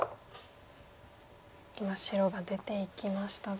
今白が出ていきましたが。